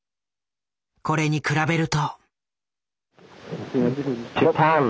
これに比べると。